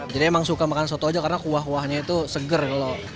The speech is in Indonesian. jadi emang suka makan soto aja karena kuah kuahnya itu seger loh